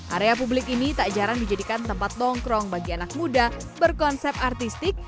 area publik ini tak jarang dijadikan tempat nongkrong bagi anak muda berkonsep artistik